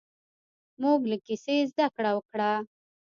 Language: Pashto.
موږ له کیسې زده کړه وکړه.